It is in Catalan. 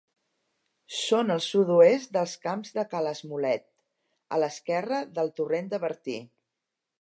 Són al sud-oest dels Camps de Ca l'Esmolet, a l'esquerra del torrent de Bertí.